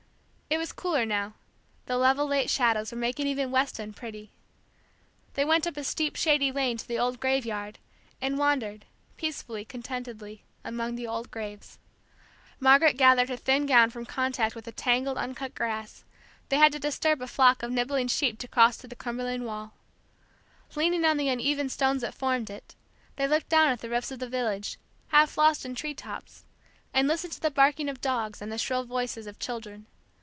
It was cooler now, the level late shadows were making even Weston pretty. They went up a steep shady lane to the old graveyard, and wandered, peacefully, contentedly, among the old graves. Margaret gathered her thin gown from contact with the tangled, uncut grass; they had to disturb a flock of nibbling sheep to cross to the crumbling wall. Leaning on the uneven stones that formed it, they looked down at the roofs of the village, half lost in tree tops; and listened to the barking of dogs, and the shrill voices of children.